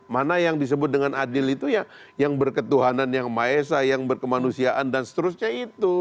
mana yang disebut dengan adil itu ya yang berketuhanan yang maesah yang berkemanusiaan dan seterusnya itu